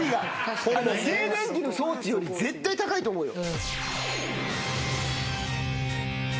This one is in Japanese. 静電気の装置より絶対高いと思うよ。